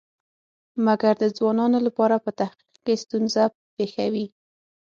مګر د ځوانانو لپاره په تحقیق کې ستونزه پېښوي.